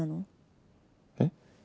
えっ？